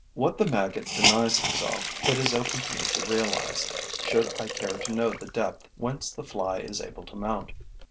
What the maggot denies itself it is open to me to realize, should I care to know the depth whence the fly is able to mount.